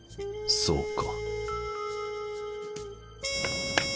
そうか。